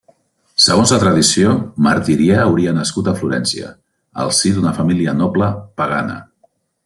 Segons la tradició, Martirià hauria nascut a Florència, al si d'una família noble, pagana.